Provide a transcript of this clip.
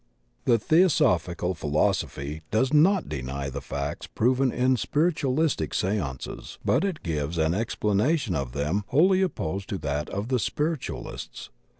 The Theosophical philosophy does not deny the facts proven in spiritualistic seances, but it gives an explana tion of them wholly opposed to that of the spiritualists.